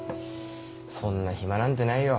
そんな暇なんてないよ